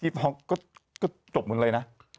ท้องก็จบหมดเลยนะ